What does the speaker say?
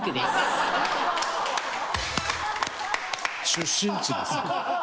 出身地です。